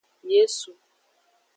Yesu.